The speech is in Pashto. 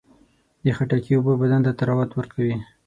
د خټکي اوبه بدن ته طراوت ورکوي.